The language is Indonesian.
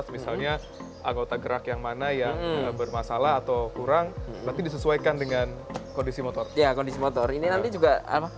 biar mudah aja